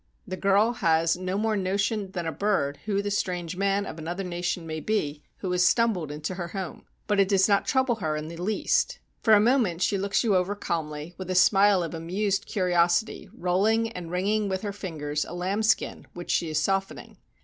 The girl has no more notion than a bird who the strange man of another nation may be, who has stumbled into her home. But it does not trouble her in 190 IN A TARTAR TENT the least. For a moment she looks you over calmly, with a smile of amused curiosity, rolling and wringing with her fingers a lambskin which she is softening.